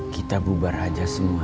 kita bubar aja semua